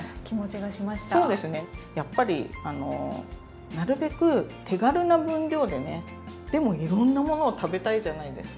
やっぱりなるべく手軽な分量でねでもいろんなものを食べたいじゃないですか。